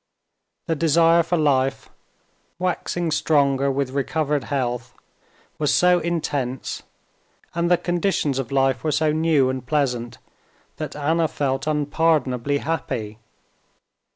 The desire for life, waxing stronger with recovered health, was so intense, and the conditions of life were so new and pleasant, that Anna felt unpardonably happy.